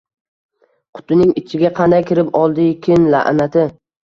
Qutining ichiga qanday kirib oldiykin la`nati